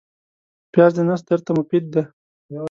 پیاز د نس درد ته مفید دی